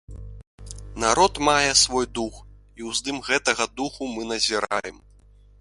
Народ мае свой дух, і ўздым гэтага духу мы назіраем.